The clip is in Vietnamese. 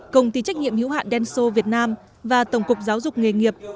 công ty trách nhiệm hữu hạn denso việt nam và tổng cục giáo dục nghề nghiệp